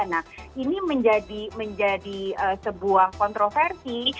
nah ini menjadi sebuah kontroversi